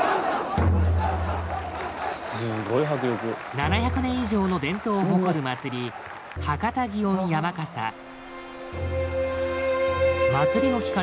７００年以上の伝統を誇る祭り祭りの期間